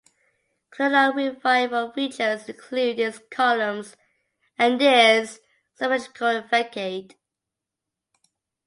Colonial Revival features include its columns and its symmetrical facade.